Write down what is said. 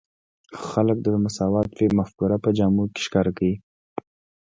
خلک د مساوات مفکوره په جامو کې ښکاره کوي.